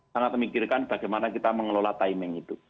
sangat memikirkan bagaimana kita mengelola timing itu